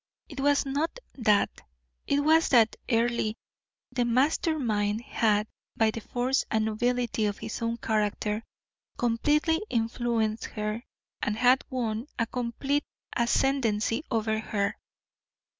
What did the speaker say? It was not that; it was that Earle, the master mind, had, by the force and nobility of his own character, completely influenced her, and had won a complete ascendency over her.